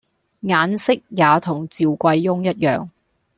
眼色也同趙貴翁一樣，